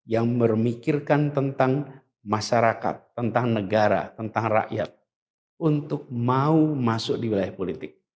yang memikirkan tentang masyarakat tentang negara tentang rakyat untuk mau masuk di wilayah politik